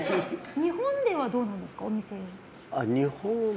日本ではどうなんですか？